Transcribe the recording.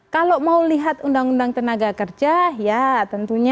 kalau mau lihat undang undang tenaga kerja ya tentunya